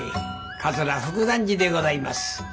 桂福團治でございます。